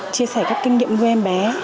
chia sẻ các kinh nghiệm với em bé